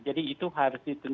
jadi itu harus ditentukan